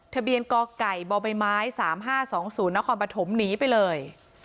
ทะเบียนก่อไก่บอใบไม้สามห้าสองศูนย์นครปฐมหนีไปเลย